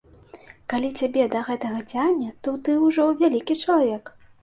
Калі цябе да гэтага цягне, то ты ўжо вялікі чалавек.